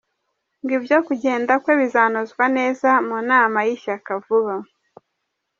Ngo ibyo kugenda kwe bizanozwa neza mu inama y’ishyaka vuba.